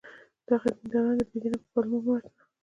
دغه دینداران د بې دینی په پلمو مه وژنه!